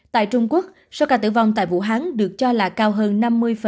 tại trung quốc số ca tử vong tại vũ hán được cho là cao hơn năm mươi